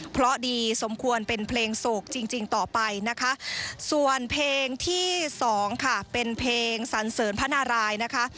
เพราะดีสมควรเป็นเพลงโศกจริงจริงต่อไปนะคะส่วนเพลงที่สองค่ะเป็นเพลงสันเสริญพระนารายนะคะ